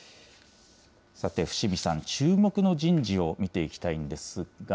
さて、伏見さん、注目の人事を見ていきたいんですが。